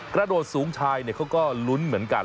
โดดสูงชายเขาก็ลุ้นเหมือนกัน